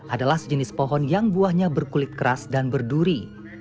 adalah sejenis pohon yang buahnya berkulit keras dan berduri